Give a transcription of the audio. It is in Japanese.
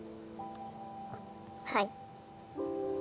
はい。